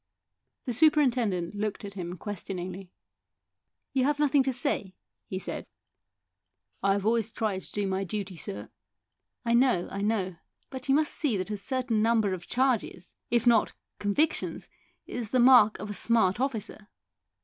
The superintendent looked at him ques tioningly. " You have nothing to say ?" he said. THE SOUL OF A POLICEMAN 183 " I have always tried to do my duty, sir." " I know, I know. But you must see that a certain number of charges, if not of convic tions, is the mark of a smart officer."